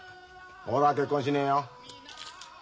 俺は結婚しねえよ。